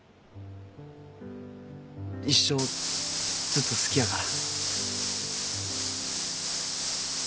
一生ずっと好きやから。